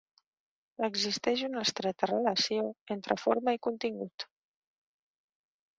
Existeix una estreta relació entre forma i contingut.